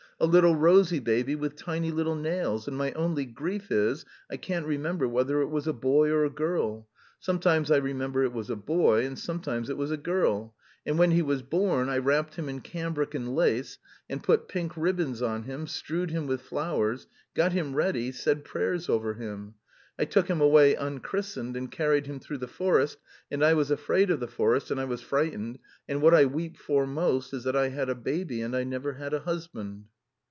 A little rosy baby with tiny little nails, and my only grief is I can't remember whether it was a boy or a girl. Sometimes I remember it was a boy, and sometimes it was a girl. And when he was born, I wrapped him in cambric and lace, and put pink ribbons on him, strewed him with flowers, got him ready, said prayers over him. I took him away un christened and carried him through the forest, and I was afraid of the forest, and I was frightened, and what I weep for most is that I had a baby and I never had a husband."